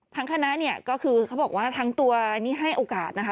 ทางคณะก็คือเขาบอกว่าทั้งตัวนี้ให้โอกาสนะคะ